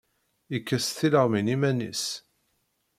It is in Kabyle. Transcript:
Ikes tileɣmin iman-is.